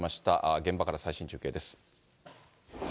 現場から中継です。